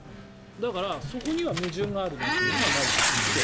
だからそこには矛盾があるなというのがまず１点。